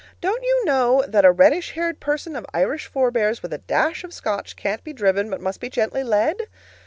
Don't you know that a reddish haired person of Irish forebears, with a dash of Scotch, can't be driven, but must be gently led?